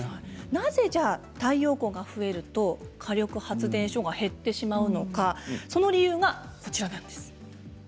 なぜ太陽光が増えると火力発電所が減ってしまうのかその理由がこちらです。